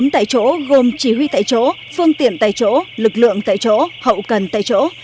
bốn tại chỗ gồm chỉ huy tại chỗ phương tiện tại chỗ lực lượng tại chỗ hậu cần tại chỗ